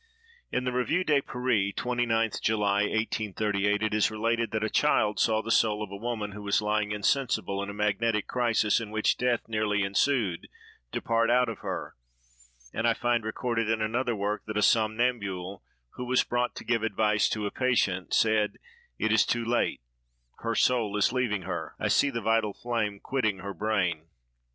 In the Revue de Paris, 29th July, 1838, it is related that a child saw the soul of a woman, who was lying insensible in a magnetic crisis in which death nearly ensued, depart out of her; and I find recorded in another work that a somnambule, who was brought to give advice to a patient, said: "It is too late—her soul is leaving her: I see the vital flame quitting her brain."